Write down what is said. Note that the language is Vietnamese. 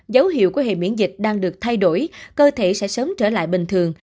dấu hiệu của hệ miễn dịch đang được thay đổi cơ thể sẽ sớm trở lại bình thường